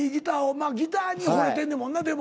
まあギターにほれてんねんもんなでも。